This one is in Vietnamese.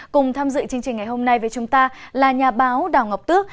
cùng tham dự chương trình ngày hôm nay với chúng ta là nhà báo đào ngọc tước